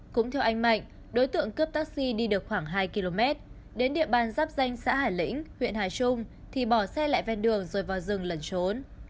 cũng theo anh mạnh đối tượng cướp taxi đi được khoảng hai km đến địa bàn giáp danh xã hải lĩnh huyện hải trung thì bỏ xe lại ven đường rồi vào rừng lẩn trốn